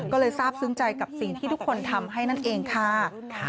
ก็เลยทราบซึ้งใจกับสิ่งที่ทุกคนทำให้นั่นเองค่ะ